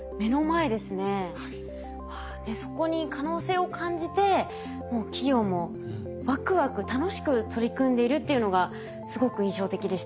そこに可能性を感じてもう企業もワクワク楽しく取り組んでいるっていうのがすごく印象的でした。